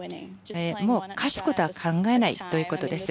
もう勝つことは考えないということです。